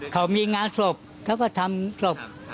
เขามีงานศพเขาก็ทำศพ